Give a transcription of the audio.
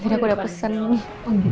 jadi aku udah pesen nih